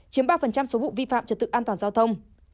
chiếm ba số vụ vi phạm trật tự an toàn giao thông